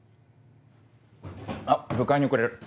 あっ部会に遅れる。